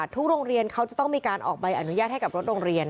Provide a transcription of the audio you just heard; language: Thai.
โรงเรียนเขาจะต้องมีการออกใบอนุญาตให้กับรถโรงเรียน